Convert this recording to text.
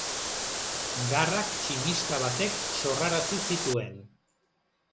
Garrak tximista batek sorrarazi zituen.